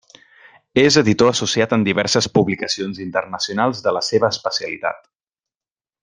És editor associat en diverses publicacions internacionals de la seva especialitat.